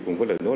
cũng có lời nói